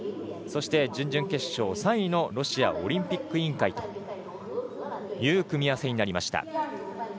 そして、準々決勝３位のロシアオリンピック委員会という組み合わせになりました。